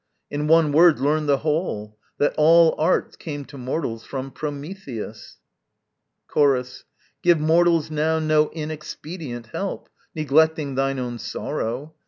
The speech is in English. In one word learn the whole, That all arts came to mortals from Prometheus. Chorus. Give mortals now no inexpedient help, Neglecting thine own sorrow.